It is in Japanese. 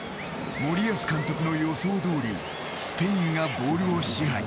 森保監督の予想通りスペインがボールを支配。